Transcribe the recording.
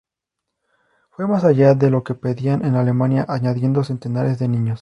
Fue más allá de lo que le pedían en Alemania, añadiendo centenares de niños.